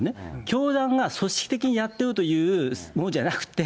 教団が組織的にやってるというものじゃなくて、